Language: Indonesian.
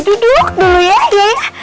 duduk dulu ya ya ya